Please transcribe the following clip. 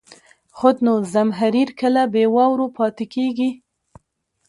خود نو، زمهریر کله بې واورو پاتې کېږي.